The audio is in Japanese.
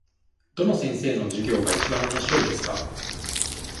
どの先生の授業がいちばんおもしろいですか。